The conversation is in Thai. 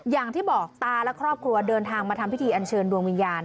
อย่างที่บอกตาและครอบครัวเดินทางมาทำพิธีอันเชิญดวงวิญญาณ